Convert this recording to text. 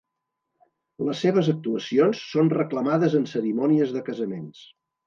Les seves actuacions són reclamades en cerimònies de casaments.